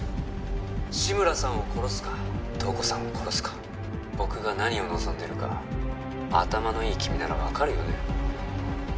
志村さんを殺すか東子さんを殺すか僕が何を望んでるか頭のいい君なら分かるよね？